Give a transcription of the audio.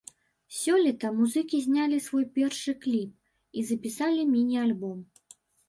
Сёлета музыкі знялі свой першы кліп і запісалі міні-альбом.